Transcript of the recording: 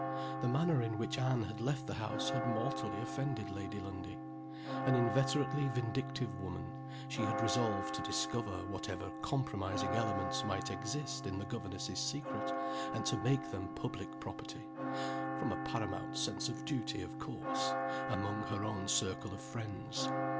The manner in which Anne had left the house had mortally offended Lady Lundie. An inveterately vindictive woman, she had resolved to discover whatever compromising elements might exist in the governess's secret, and to make them public property (from a paramount sense of duty, of course) among her own circle of friends.